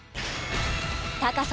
高さ